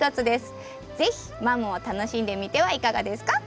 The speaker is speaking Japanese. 是非マムを楽しんでみてはいかがですか？